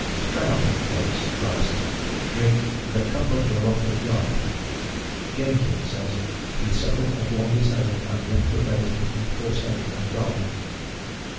Stroud makes Christ drink "the cup of the wrath of God." Jenkyn says, "he suffered as one disowned and reprobated and forsaken of God."